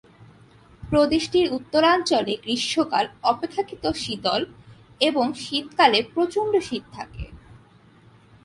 প্রদেশটির উত্তরাঞ্চলে গ্রীষ্মকাল অপেক্ষাকৃত শীতল এবং শীতকালে প্রচণ্ড শীত থাকে।